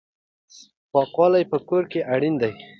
پاکوالی په کور کې اړین دی.